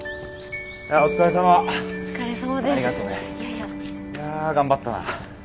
いや頑張ったな。